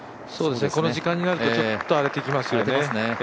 この時間になるとちょっと荒れてきますよね。